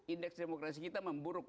indeks demokrasi kita memburuk